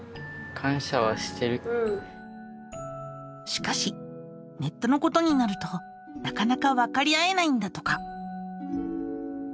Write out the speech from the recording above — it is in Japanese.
しかしネットのことになるとなかなかわかり合えないんだとか。